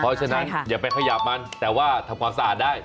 เพราะฉะนั้นอย่าไปขยับมันแต่ว่าทำความสะอาดได้